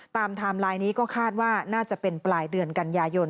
ไทม์ไลน์นี้ก็คาดว่าน่าจะเป็นปลายเดือนกันยายน